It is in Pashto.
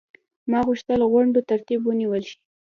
ما غوښتل غونډو ترتیب ونیول شي.